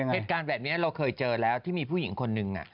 เหตุการณ์แบบนี้เราเคยเจอแล้วที่มีผู้หญิงคนนึง